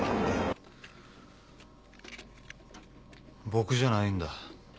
僕じゃないんだ。